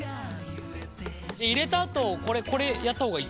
入れたあとこれやった方がいい？